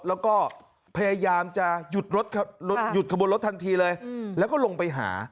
แล้วก็จะหยุดรถลดหยุดขบวนรถทันทีเลยอืมแล้วก็ลงไปหา